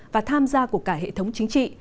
và tham gia của cả hệ thống chính trị